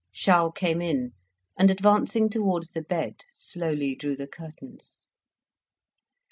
Charles came in, and advancing towards the bed, slowly drew the curtains.